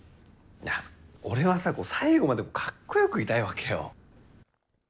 俺はさ、さいごまでかっこよくいたいわけよ。